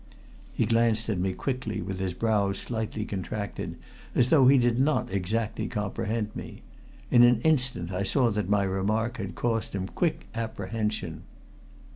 He glanced at me quickly with his brows slightly contracted, as though he did not exactly comprehend me. In an instant I saw that my remark had caused him quick apprehension.